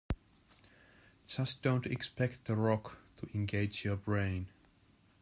Just don't expect "The Rock" to engage your brain.